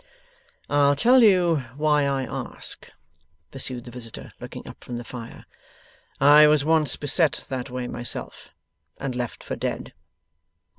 'I'll tell you why I ask,' pursued the visitor, looking up from the fire. 'I was once beset that way myself, and left for dead.